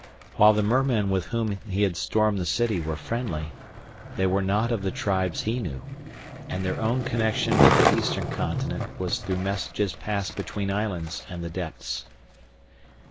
While the mermen with whom he had stormed the city were friendly, they were not of the tribes he knew, and their own connection with the eastern continent was through messages passed between islands and the depths.